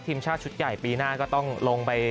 ทีมชาติชุดใหญ่ปีหน้าก็ต้องลงไป